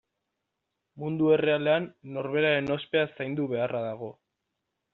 Mundu errealean norberaren ospea zaindu beharra dago.